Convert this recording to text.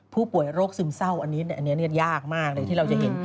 ผู้ป่วยโรคซึมเศร้าอันนี้ยากมากเลยที่เราจะเห็น